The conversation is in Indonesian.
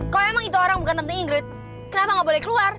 kalau emang itu orang bukan tante ingrid kenapa gak boleh keluar